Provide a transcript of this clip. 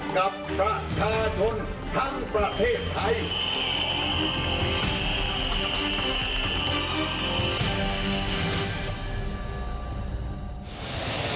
กับประชาชนทั้งประเทศไทย